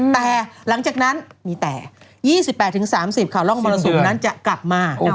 แต่หลังจากนั้นมีแต่๒๘๓๐ค่ะร่องมรสุมนั้นจะกลับมา